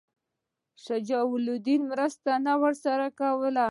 که شجاع الدوله مرسته نه ورسره کوي.